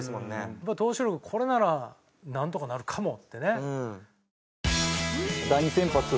やっぱ投手力これならなんとかなるかもってね。